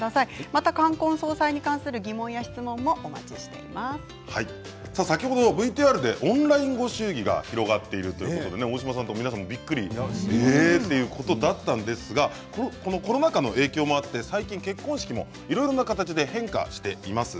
また冠婚葬祭に関する疑問や先ほどＶＴＲでオンラインご祝儀が広がっているということで大島さん、皆さんびっくりしていましたがコロナ禍の影響もあって最近結婚式もいろいろな形で変化しています。